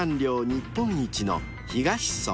日本一の東村］